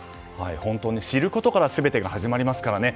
本当に知ることから全てが始まりますからね。